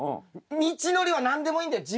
道のりは何でもいいんだよ。